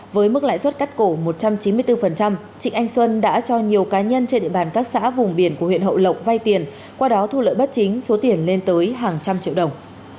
với mức lãi suất cắt cổ một trăm chín mươi bốn trịnh anh xuân đã cho nhiều cá nhân trên địa bàn các xã vùng biển của huyện hậu lộc vay tiền qua đó thu lợi bất chính số tiền lên tới hàng trăm triệu đồng